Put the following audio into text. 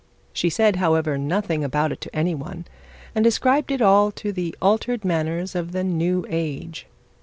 She said, however, nothing about it to any one, and ascribed it all to the altered manners of the new age.